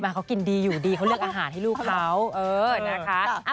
เขากินดีอยู่ดีเขาเลือกอาหารให้ลูกเขานะคะ